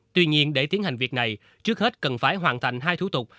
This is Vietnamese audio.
tuy nhiên để tiến hành việc này trước hết cần phải hoàn thành hai thủ tục